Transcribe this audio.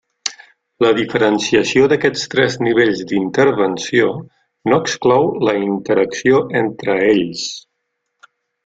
La diferenciació d'aquests tres nivells d'intervenció no exclou la interacció entre ells.